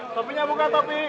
topinya buka topi